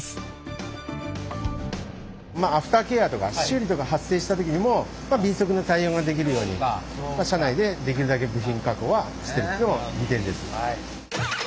まあアフターケアとか修理とか発生した時にも敏速な対応ができるように社内でできるだけ部品確保はしてるというのも利点です。